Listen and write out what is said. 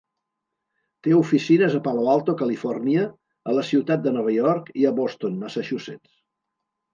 Té oficines a Palo Alto, Califòrnia; a la ciutat de Nova York i a Boston, Massachusetts.